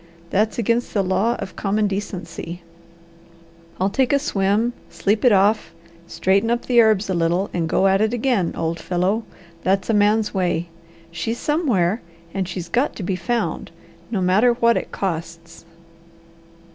That's against the law of common decency. I'll take a swim, sleep it off, straighten up the herbs a little, and go at it again, old fellow; that's a man's way. She's somewhere, and she's got to be found, no matter what it costs."